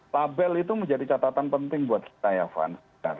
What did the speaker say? label itu menjadi catatan penting buat saya van